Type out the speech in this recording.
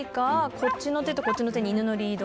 こっちの手とこっちの手に犬のリード。